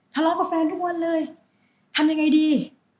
ทะเลาะกับแฟนทุกวันเลยทำยังไงดี